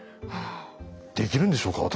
できるんでしょうか私。